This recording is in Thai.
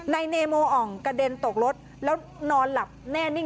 นายเนโมอ่องกระเด็นตกรถแล้วนอนหลับแน่นิ่ง